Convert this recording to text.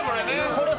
これ。